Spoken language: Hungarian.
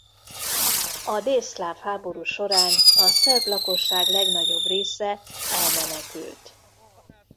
A délszláv háború során a szerb lakosság legnagyobb része elmenekült.